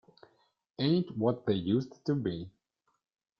Ain't What They Used to Be!